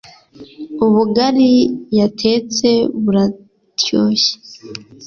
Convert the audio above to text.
ubugari yatetse burartoshye